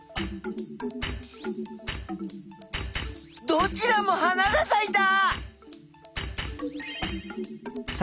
どちらも花がさいた！